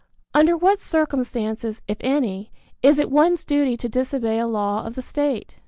Under what circumstances, if any, is it one's duty to disobey a law of the state?